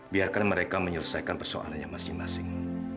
biarkan mereka menyelesaikan persoalannya masing masing